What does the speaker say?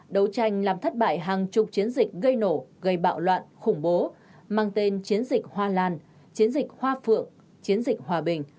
đấu tranh làm thất bại hàng chục chiến dịch gây nổ gây bạo loạn khủng bố mang tên chiến dịch hoa lan chiến dịch hoa phượng chiến dịch hòa bình